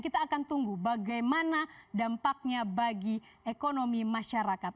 kita akan tunggu bagaimana dampaknya bagi ekonomi masyarakat